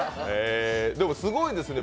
でも、すごいですね。